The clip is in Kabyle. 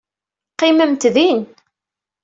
Qqimemt din.